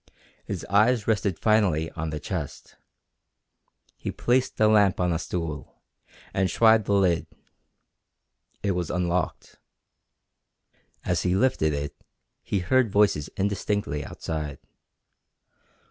His eyes rested finally on the chest. He placed the lamp on a stool, and tried the lid. It was unlocked. As he lifted it he heard voices indistinctly outside.